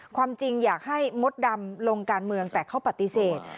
ความจริงอยากให้มดดำลงการเมืองแต่เขาปฏิเสธ